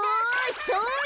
それ。